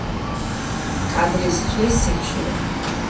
კადრის ცვლის სიხშირე